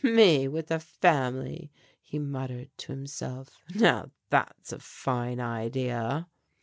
"Me with a family," he muttered to himself, "now that's a fine idea."